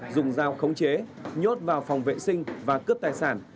dùng dao khống chế nhốt vào phòng vệ sinh và cướp tài sản